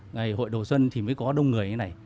ngày hội đầu xuân thì mới có đông người như thế này